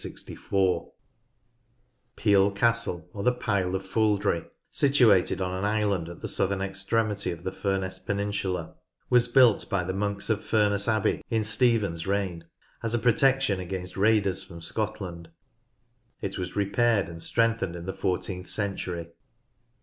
Piel Castle, or the Pile of Fouldrey, situated on an island at the southern extremity of the Furness peninsula, ARCHITECTURE— MILITARY i:s;> was built by the monks of Furness Abbey in Stephen's reign, as a protection against raiders from Scotland. It was repaired and strengthened in the fourteenth century.